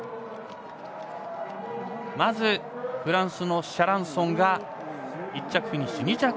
まずフランスのシャランソンが１着フィニッシュ。